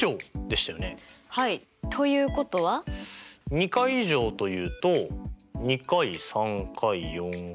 ２回以上というと２回３回４回。